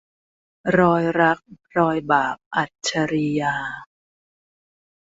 รอยรัก รอยบาป - อัจฉรียา